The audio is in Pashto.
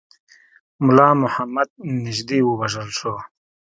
مُلا محمد نیژدې ووژل شو.